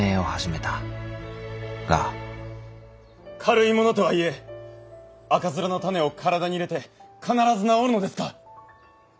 が軽いものとはいえ赤面の種を体に入れて必ず治るのですか。